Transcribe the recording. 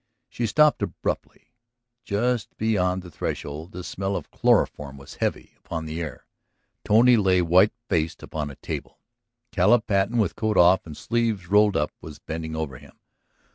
She stopped abruptly just beyond the threshold; the smell of chloroform was heavy upon the air, Tony lay whitefaced upon a table, Caleb Patten with coat off and sleeves rolled up was bending over him.